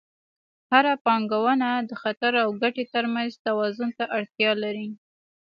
هره پانګونه د خطر او ګټې ترمنځ توازن ته اړتیا لري.